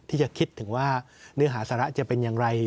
ที่จะคิดถึงว่าเนื้อหาสาระจะเป็นอย่างไร